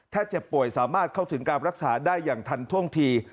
ถ้าเจ็บป่วยสามารถเข้าถึงการรักษาได้อย่างทันท่วงที